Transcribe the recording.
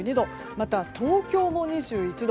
また、東京も２１度。